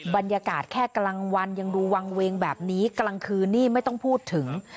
บรรยากาศแค่กลางวันยังดูวางเวงแบบนี้กลางคืนนี่ไม่ต้องพูดถึง